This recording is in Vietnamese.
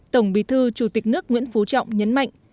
tổng bí thư chủ tịch nước nguyễn phú trọng nhấn mạnh